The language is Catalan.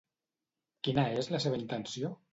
Quina és la seva intenció?